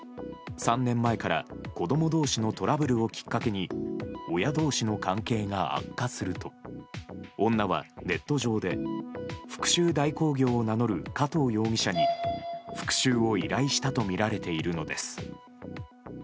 ３年前から子供同士のトラブルをきっかけに親同士の関係が悪化すると女はネット上で復讐代行業を名乗る加藤容疑者に、復讐を依頼したとみられているのです。